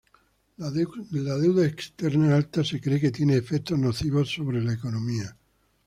La deuda externa alta se cree que tiene efectos nocivos sobre la economía.